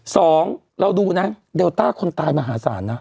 สองเราดูนะเดลต้าคนตายมหาศาลนะ